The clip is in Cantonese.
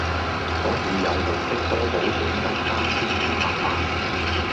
所以有累積多寶獎金三千二百萬